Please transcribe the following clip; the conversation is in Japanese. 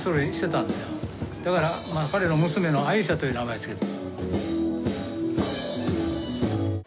だから彼の娘のアイーシャという名前を付けて。